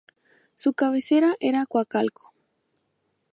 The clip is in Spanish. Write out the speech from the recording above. Su cabecera era Coacalco.